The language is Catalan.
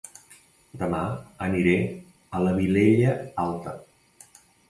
Dema aniré a La Vilella Alta